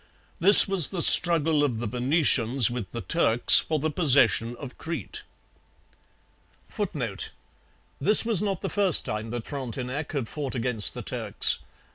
This was the struggle of the Venetians with the Turks for the possession of Crete. [Footnote: This was not the first time that Frontenac had fought against the Turks.